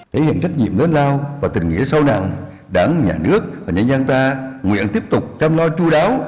để hiện trách nhiệm lớn lao và tình nghĩa sâu nặng đáng nhà nước và nhà nhân ta nguyện tiếp tục chăm lo chú đáo